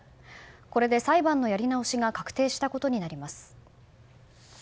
これで裁判のやり直しが確定したことになります。